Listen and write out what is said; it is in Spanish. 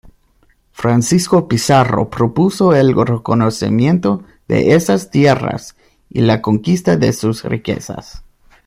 Francisco Pizarro propuso el reconocimiento de esas tierras y la conquista de sus riquezas.